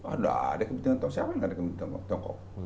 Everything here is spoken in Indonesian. ada ada kepentingan tiongkok siapa yang ada kepentingan tiongkok